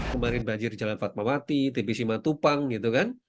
kemarin banjir di jalan fatmawati tbc matupang gitu kan